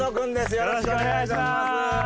よろしくお願いします。